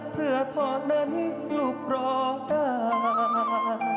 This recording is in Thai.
เพื่อพ่อนั้นลูกรอด้าน